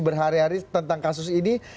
berhari hari tentang kasus ini